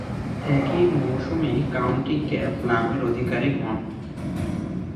একই মৌসুমে county cap লাভের অধিকারী হন।